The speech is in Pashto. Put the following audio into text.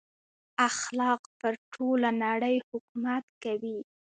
اخلاق پر ټوله نړۍ حکومت کوي.